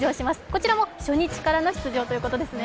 こちらも初日からの出場ということですね。